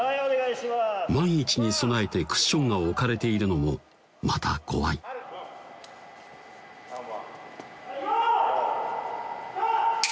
万一に備えてクッションが置かれているのもまた怖いはい用意スタート！